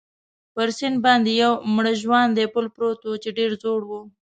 پر سیند باندې یو مړ ژواندی پل پروت وو، چې ډېر زوړ وو.